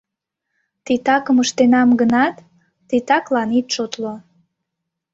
Титакым ыштенам гынат, титаклан итак шотло...